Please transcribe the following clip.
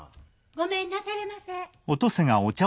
・ごめんなされませ。